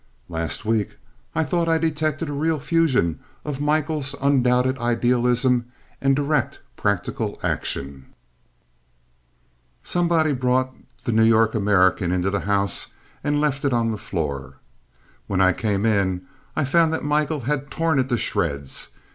Last week I thought I detected a real fusion of Michael's undoubted idealism and direct practical action. Somebody brought The New York American into the house and left it on the floor. When I came in I found that Michael had torn it to shreds.